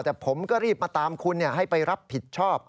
แต่ผมก็รีบมาตามคุณให้ไปรับผิดชอบ